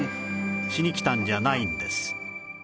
しに来たんじゃないんです